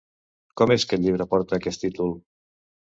Com és que el llibre porta aquest títol?